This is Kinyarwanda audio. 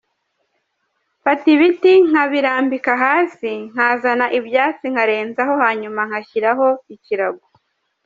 Mfata ibiti nkabirambika hasi, nkazana ibyatsi nkarenzaho, hanyuma nkashyiraho ikirago.